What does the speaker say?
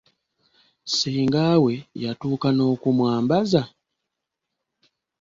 Ssenga we yatuuka n'okumwambaza!